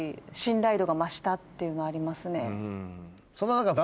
っていうのはありますね。